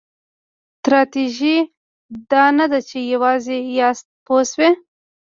تراژیدي دا نه ده چې یوازې یاست پوه شوې!.